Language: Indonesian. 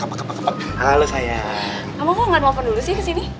kamu mau ga nelfon dulu sih kesini